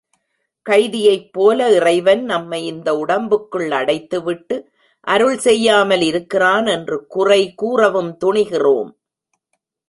கைதியைப்போல, இறைவன் நம்மை இந்த உடம்புக்குள் அடைத்து விட்டு அருள் செய்யாமல் இருக்கிறான் என்று குறை கூறவும் துணிகிறோம்.